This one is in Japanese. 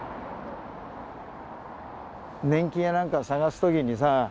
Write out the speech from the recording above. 年金や何かを探す時にさ